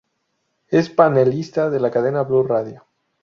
Es panelista de la cadena Blu Radio.